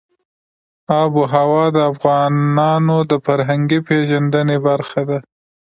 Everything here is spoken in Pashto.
آب وهوا د افغانانو د فرهنګي پیژندنې برخه ده.